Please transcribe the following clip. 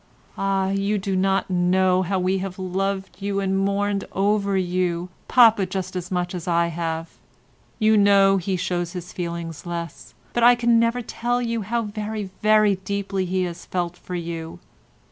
Ah, you do not know how we have loved you and mourned over you, papa just as much as I have. You know he shows his feelings less, but I can never tell you how very, very deeply he has felt for you.